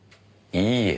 いいえ？